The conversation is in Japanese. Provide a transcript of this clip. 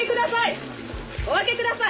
・お開けください！